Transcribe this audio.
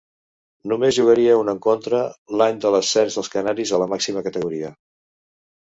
Només jugaria un encontre l'any de l'ascens dels canaris a la màxima categoria.